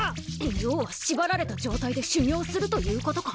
要は縛られた状態で修行するということか？